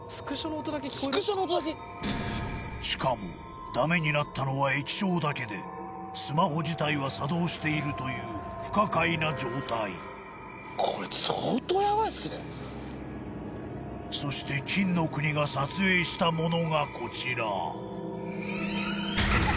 しかもダメになったのは液晶だけでスマホ自体は作動しているという不可解な状態そして金の国が撮影したものがこちら